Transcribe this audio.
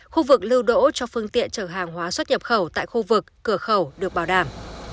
khu vực lưu đỗ cho phương tiện chở hàng hóa xuất nhập khẩu tại khu vực cửa khẩu được bảo đảm